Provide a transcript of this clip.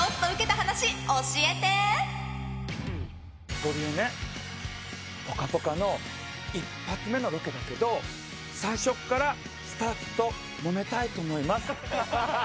ゴリエね、「ぽかぽか」の１発目のロケだけど最初からスタッフともめたいと思います。